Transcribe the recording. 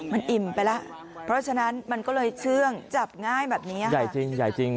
มันอิ่มไปแล้วเพราะฉะนั้นมันก็เลยเชื่อง่ายแบบเนี้ยใหญ่จริง